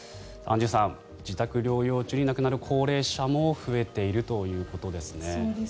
アンジュさん自宅療養中に亡くなる高齢者も増えているということですね。